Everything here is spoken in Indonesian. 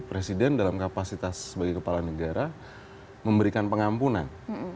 presiden dalam kapasitas sebagai kepala negara memberikan pengampunan